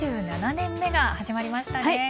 ３７年目が始まりましたね。